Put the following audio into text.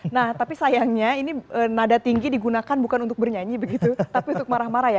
nah tapi sayangnya ini nada tinggi digunakan bukan untuk bernyanyi begitu tapi untuk marah marah ya